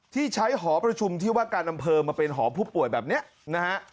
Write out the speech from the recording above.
ที่ใช้หอประชุมที่ว่าการอำเภอมาเป็นหอผู้ป่วยแบบนี้นะฮะ